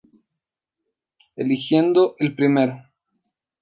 Eligiendo el primero.